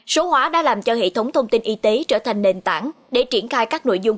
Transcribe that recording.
số hóa đã làm cho hệ thống thông tin y tế trở thành nền tảng để triển khai các nội dung